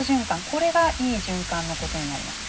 これがいい循環のことになります。